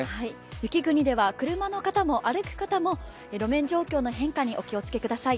雪国では車の方も歩く方も路面状況の変化にお気をつけください。